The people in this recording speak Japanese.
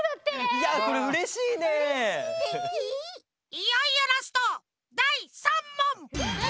いよいよラストだい３もん！